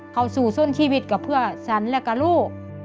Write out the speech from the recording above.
เข้าสู่ส้นชีวิตกับเพื่อฉันและกับลูก